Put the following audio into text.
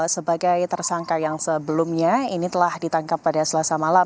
sebagai tersangka yang sebelumnya ini telah ditangkap pada selasa malam